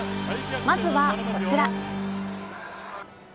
まずはこちら。